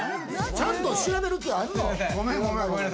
ちゃんと調べる気あるの？